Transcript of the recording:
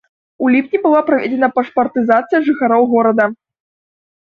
У ліпні была праведзена пашпартызацыя жыхароў горада.